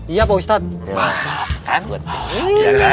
iya pak ustadz